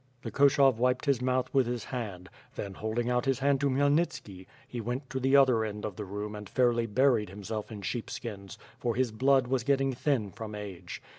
The Koshov wiped his mouth with his hand; then holding out his hand to Khmyelnitski, he went to the other end of the room and fairly buried himself in sheepskins, for his blood was getting thin from age.